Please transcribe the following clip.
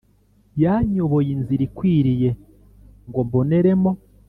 Yanyoboye inzira ikwiriye ngo mboneremo